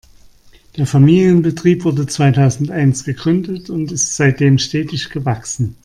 Der Familienbetrieb wurde zweitausendeins gegründet und ist seitdem stetig gewachsen.